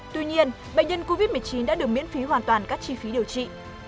tuy nhiên bệnh nhân covid một mươi chín đã được miễn phí hoàn toàn các chi phí điều trị